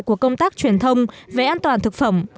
của công tác truyền thông về an toàn thực phẩm